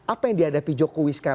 apa yang dihadapi jokowi sekarang